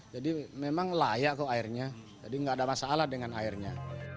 jadi memang layak kok airnya jadi nggak ada masalah dengan airnya